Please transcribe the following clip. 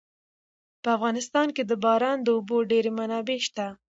په افغانستان کې د باران د اوبو ډېرې منابع شته.